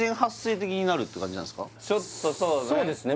ちょっとそうね